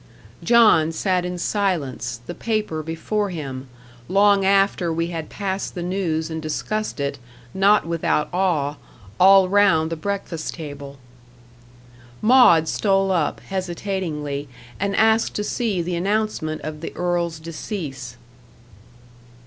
John sat in silence, the paper before him, long after we had passed the news and discussed it, not without awe, all round the breakfast table. Maud stole up hesitatingly, and asked to see the announcement of the earl's decease.